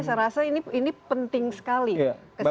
saya rasa ini ini penting sekali kesadaran masyarakat